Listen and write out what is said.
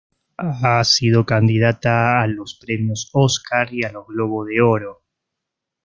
Ha sido candidata a los premios Óscar y a los Globo de Oro.